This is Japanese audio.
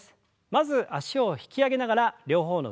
まず脚を引き上げながら両方の腕を前に。